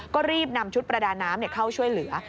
ก็รีบนำชุดประดาน้ำเข้าช่วยเหลือ